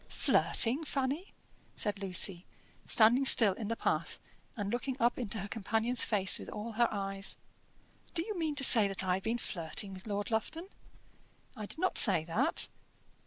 "Flirting, Fanny!" said Lucy, standing still in the path, and looking up into her companion's face with all her eyes. "Do you mean to say that I have been flirting with Lord Lufton?" "I did not say that."